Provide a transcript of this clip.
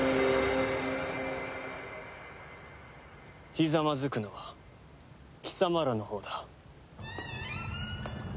ひざまずくのは貴様らのほうだ。